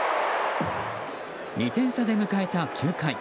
２点差で迎えた９回。